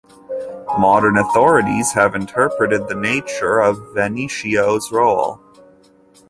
Modern authorities have interpreted the nature of Veiento's role.